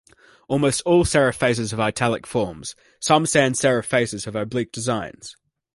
Almost all serif faces have italic forms; some sans-serif faces have oblique designs.